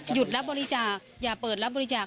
รับบริจาคอย่าเปิดรับบริจาค